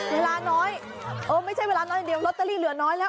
เวลาน้อยเออไม่ใช่เวลาน้อยอย่างเดียวลอตเตอรี่เหลือน้อยแล้ว